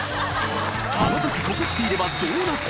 あのとき告っていればどうなった？！